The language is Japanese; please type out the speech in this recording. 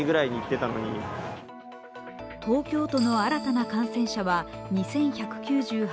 東京都の新たな感染者は２１９８人。